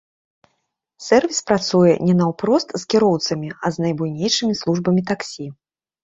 Сэрвіс працуе не наўпрост з кіроўцамі, а з найбуйнейшымі службамі таксі.